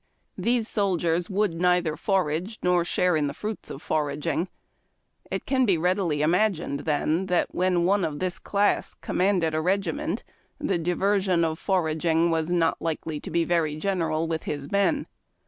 These soldiers would neither forac^e nor share in the fruits of foraging. It can be readily imag ined, then, that when one of this class commanded a regi ment the diversion of foraging was not likely to be very general with his men.